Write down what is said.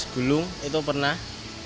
dua belas gulung itu pernah